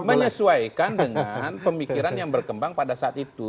menyesuaikan dengan pemikiran yang berkembang pada saat itu